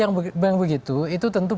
yang begitu itu tentu